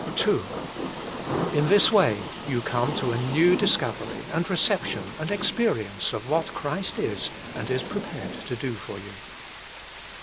II In this way you come to a new discovery, and reception, and experience of what Christ is and is prepared to do for you.